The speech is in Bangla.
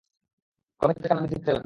ক্রমেই তাদের কান্না বৃদ্ধি পেতে লাগল।